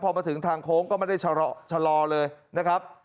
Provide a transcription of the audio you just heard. พอมาถึงทางโค้งก็ไม่ได้ชะลอเลยนะครับ